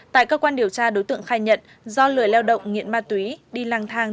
tại cơ quan điều tra đối tượng khai nhận do lười lao động nghiện ma túy đi lang thang